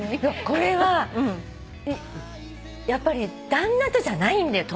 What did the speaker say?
これはやっぱり旦那とじゃないんだよ。